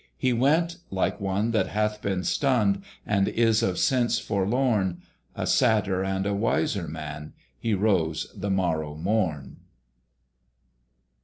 He went like one that hath been stunned, And is of sense forlorn: A sadder and a wiser man, He rose the morrow morn.